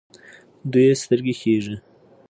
دوی سترګۍ کیږي.